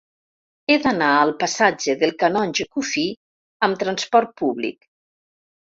He d'anar al passatge del Canonge Cuffí amb trasport públic.